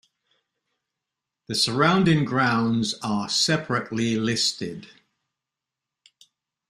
The surrounding grounds are separately listed.